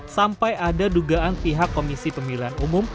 sampai ada dugaan pihak komisi pemilihan umum